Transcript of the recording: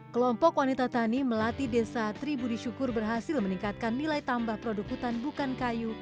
kelompok wanita tani melatih desa tribudisyukur berhasil meningkatkan nilai tambah produk hutan bukan kayu